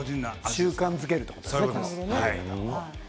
習慣づけるということですね。